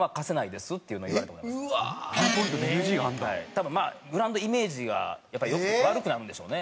多分まあブランドイメージがやっぱ悪くなるんでしょうね。